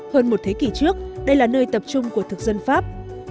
hơn một thế kỷ trước đây là nơi tập trung của thực dân pháp